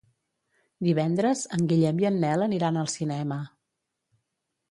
Divendres en Guillem i en Nel aniran al cinema.